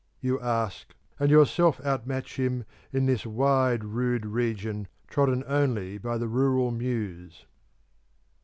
you ask, and yourself out match him in this wide rude region, trodden only by the rural Muse.